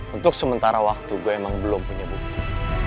untuk sementara waktu gue emang belum punya bukti